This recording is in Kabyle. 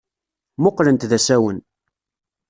Mmuqqlent d asawen.